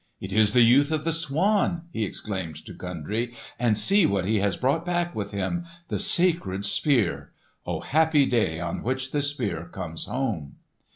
"It is the youth of the swan!" he exclaimed to Kundry. "And see what he has brought back with him! The sacred Spear! O happy day on which the Spear comes home!"